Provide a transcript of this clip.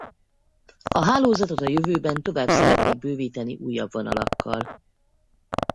A hálózatot a jövőben tovább szeretnék bővíteni újabb vonalakkal.